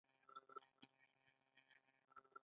او ټول غذائي مواد ئې ضايع شوي وي